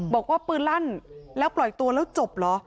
บอกว่าปืนลั่นแล้วปล่อยตัวแล้วจบเหรอ